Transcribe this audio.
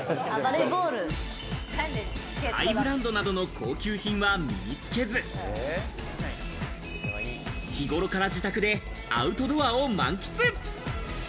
ハイブランドなどの高級品は身に着けず、日頃から自宅でアウトドアを満喫。